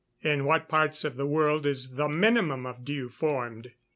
_In what parts of the world is the minimum of dew formed?